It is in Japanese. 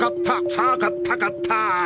さあ買った買った！